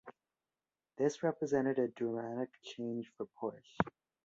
This represented a dramatic change for Porsche.